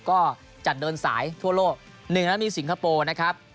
ก็จัดเดินสายทั่วโลก๑แล้วมีสิงคโปร์นะครับ